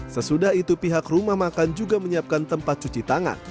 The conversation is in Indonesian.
sesudah itu pihak rumah makan juga menyiapkan tempat cuci tangan